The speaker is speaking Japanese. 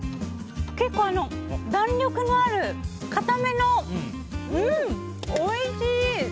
結構弾力のある硬めのおいしい！